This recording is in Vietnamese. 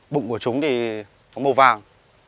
bụng của chúng thì có màu vàng